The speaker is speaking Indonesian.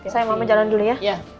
sayang mama jalan dulu ya